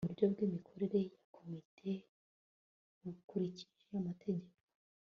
uburyo bw' imikorere ya komite bukirikije amategeko